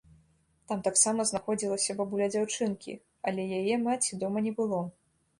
Там таксама знаходзілася бабуля дзяўчынкі, але яе маці дома не было.